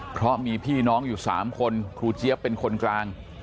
เพราะมีพี่น้องอยู่๓คนครูเจี๊ยบเป็นคนกลาง